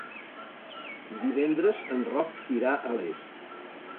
Divendres en Roc irà a Les.